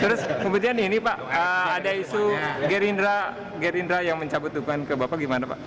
terus kemudian ini pak ada isu gerindra yang mencabut dukungan ke bapak gimana pak